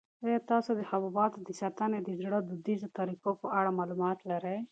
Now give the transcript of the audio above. آیا تاسو د حبوباتو د ساتنې د زړو دودیزو طریقو په اړه معلومات لرئ؟